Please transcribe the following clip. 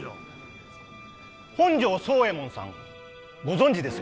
本城惣右衛門さんご存じですよね？